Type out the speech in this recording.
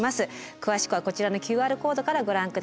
詳しくはこちらのＱＲコードからご覧下さい。